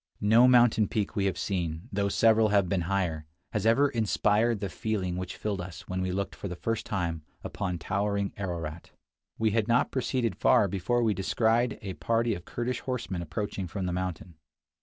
No mountain peak we have seen, though several have been higher, has ever inspired the feeling which filled us when we looked for the first II 49 time upon towering Ararat. We had not proceeded far before we descried a party of Kurdish horsemen approaching from the mountain.